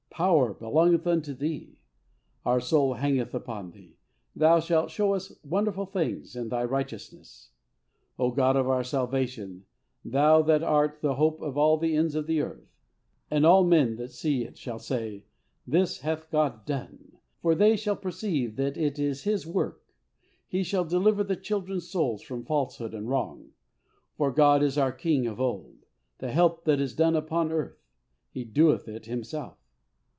Power belongeth unto Thee. Our soul hangeth upon Thee: Thou shalt show us wonderful things in Thy righteousness, O God of our salvation, Thou that art the hope of all the ends of the earth. And all men that see it shall say, This hath God done; for they shall perceive that it is His work. He shall deliver the children's souls from falsehood and wrong; for God is our King of old; the help that is done upon earth He doeth it Himself.